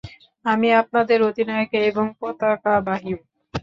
আমি আপনাদের অধিনায়ক এবং পতাকাবাহীও।